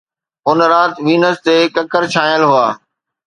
اُن رات، وينس تي ڪڪر ڇانيل هئا